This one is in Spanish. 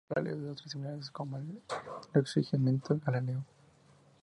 Es paralelo a otras similares, como el Rexurdimento galego.